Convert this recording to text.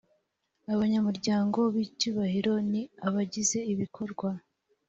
abanyamuryango b icyubahiro ni abagize ibikorwa